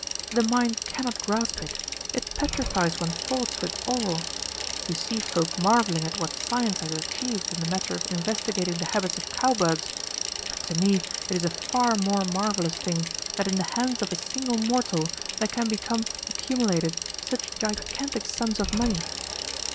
"The mind cannot grasp it it petrifies one's thoughts with awe. You see folk marvelling at what Science has achieved in the matter of investigating the habits of cowbugs, but to me it is a far more marvellous thing that in the hands of a single mortal there can become accumulated such gigantic sums of money.